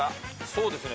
そうですね。